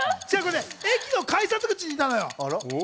駅の改札口にいたのよ。